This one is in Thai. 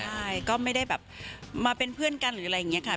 ใช่ก็ไม่ได้แบบมาเป็นเพื่อนกันหรืออะไรอย่างนี้ค่ะ